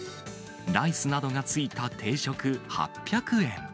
ライスなどが付いた定食８００円。